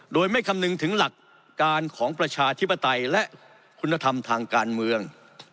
โดยไม่คำนึงถึงหลักการของประชาธิปไตยและคุณธรรมทางการเมือง